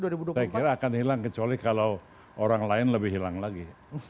saya kira akan hilang kecuali kalau orang lain lebih hilang lagi